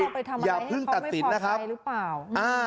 เราไปทำอะไรให้เขาไม่พอใจหรือเปล่า